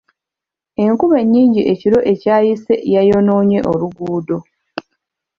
Enkuba ennyingi ekiro ekyayise yayonoonye oluguudo.